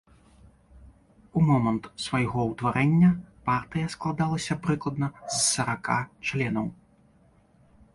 У момант свайго ўтварэння партыя складалася прыкладна з сарака членаў.